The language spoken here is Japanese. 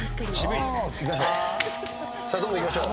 どんどんいきましょう。